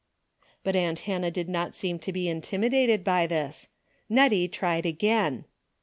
But aunt Hannah did not seem to be in timidated by this. Nettie tried again.